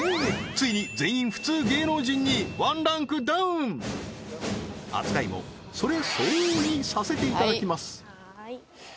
ついに全員普通芸能人に１ランクダウン扱いもそれ相応にさせていただきます